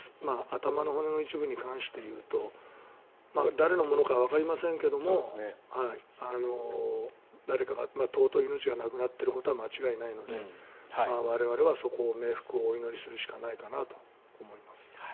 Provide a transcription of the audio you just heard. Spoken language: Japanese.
頭の骨の一部に関して言うと誰のものかわかりませんけれども尊い命が亡くなっていることは間違いないので我々はそこを冥福をお祈りするしかないかなと思います。